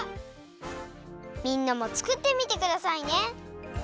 みんなもつくってみてくださいね。